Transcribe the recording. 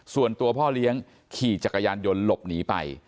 ส่วนตัวพ่อเลี้ยงขี่จักรยานยนต์หลบหนีไป